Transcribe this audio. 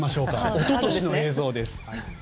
一昨年の映像です。